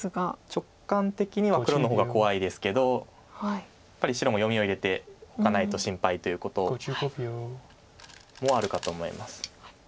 直感的には黒の方が怖いですけどやっぱり白も読みを入れておかないと心配ということもあるかと思います。